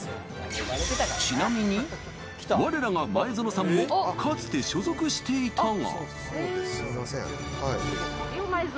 ちなみに、われらが前園さんもかつて所属していたが。